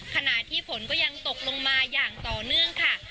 ขณะที่ฝนก็ยังตกลงมาอย่างต่อเนื่องค่ะ